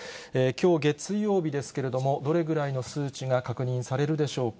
きょう月曜日ですけれども、どれぐらいの数値が確認されるでしょうか。